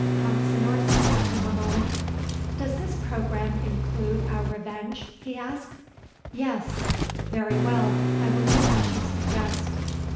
Consinor studied him a moment. "Does this program include our revenge?" he asked. "Yes." "Very well; I will do as you suggest."